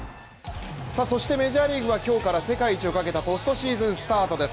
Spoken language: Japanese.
さあそしてメジャーリーグは今日から世界一をかけたポストシーズンスタートです。